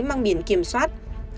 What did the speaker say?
mang biển kiểm soát